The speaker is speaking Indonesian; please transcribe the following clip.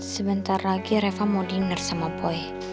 sebentar lagi reva mau dinner sama boy